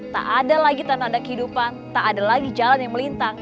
tak ada lagi tandada kehidupan tak ada lagi jalan yang melintang